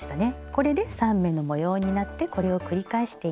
これで３目の模様になってこれを繰り返していきます。